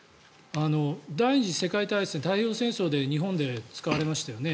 第２次世界大戦、太平洋戦争で日本で使われましたよね。